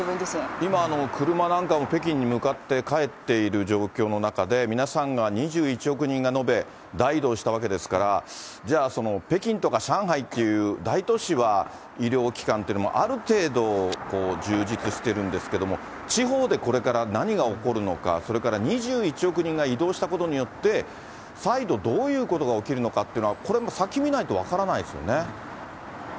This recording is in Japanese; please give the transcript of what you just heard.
今、車なんかも北京に向かって帰っている状況の中で、皆さんが、２１億人が延べ、大移動したわけですから、じゃあ北京とか上海っていう大都市は医療機関というのもある程度、充実してるんですけども、地方でこれから何が起こるのか、それから２１億人が移動したことによって、再度どういうことが起きるのかっていうのは、これもう先見ないと分からないですよね。